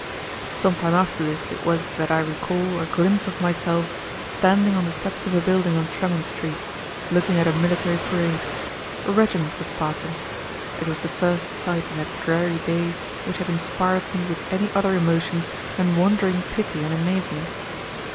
Some time after this it was that I recall a glimpse of myself standing on the steps of a building on Tremont Street, looking at a military parade. A regiment was passing. It was the first sight in that dreary day which had inspired me with any other emotions than wondering pity and amazement.